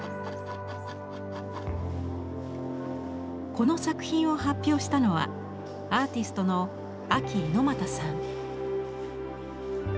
この作品を発表したのはアーティストのＡＫＩＩＮＯＭＡＴＡさん。